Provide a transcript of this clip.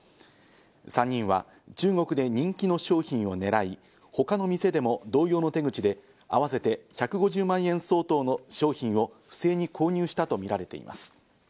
３人は中国で人気の商品を狙い、他の店でも同様の手口で合わせて１５０万円相当の商品を不正に購入したとみられています。